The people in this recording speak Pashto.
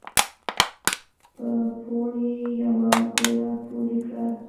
په بوړ يې يوه ګوله پورې کړه